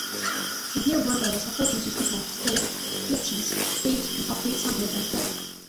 Severe weather was approaching Topeka, so Kurtis stayed to update some weather reports.